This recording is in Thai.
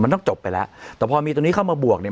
มันต้องจบไปแล้วแต่พอมีตรงนี้เข้ามาบวกเนี่ย